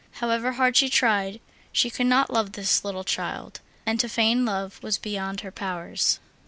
However hard she tried, she could not love this little child, and to feign love was beyond her powers.